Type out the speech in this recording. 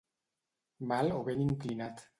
Mal o ben inclinat.